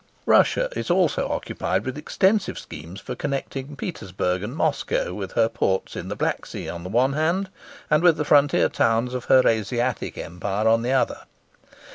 Russia is also occupied with extensive schemes for connecting Petersburg and Moscow with her ports in the Black Sea on the one hand, and with the frontier towns of her Asiatic empire on the other.